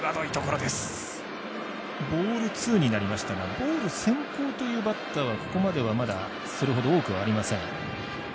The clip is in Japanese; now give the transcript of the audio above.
ボール先行というバッターはここまでは、まだそれほど多くありません。